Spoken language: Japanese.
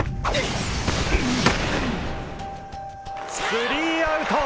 スリーアウト！